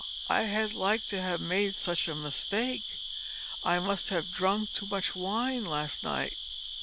I had like to have made such a mistake. I must have drunk too much wine last night."